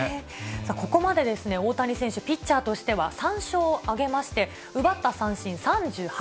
ここまで大谷選手、ピッチャーとしては３勝を挙げまして、奪った三振３８。